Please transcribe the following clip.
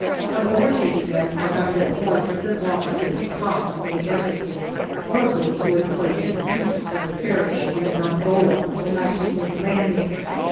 On overtaking them I find that one is an officer, Cox of the Essex, one of those who had played "The Priest of the Parish" on the Dongola the night before the landing.